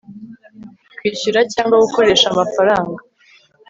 kwishyura cyangwa gukoresha amafaranga